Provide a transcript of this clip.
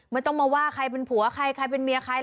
ไม่ต้องมาว่าใครเป็นผัวใครใครเป็นเมียใคร